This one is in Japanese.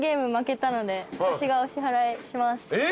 えっ？